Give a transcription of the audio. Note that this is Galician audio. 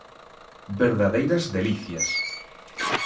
Verdadeiras delicias.